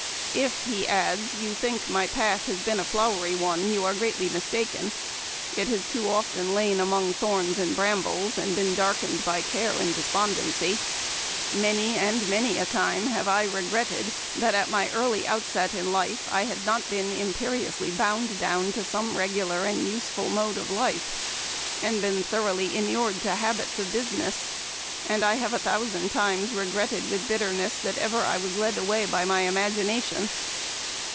" If," he adds, " you think my path has been a flowery one you are greatly mistaken. It has too often lain among thorns and brambles, and been darkened by care and despondency. Many 150 Memoir of Washington Irving. and many a time have I regretted that at my early outset in life I had not been imperiously bound down to some regular and useful mode of life, and been thoroughly inured to habits of business ; and I have a thousand times regretted with bitterness that ever I was led away by my imagination."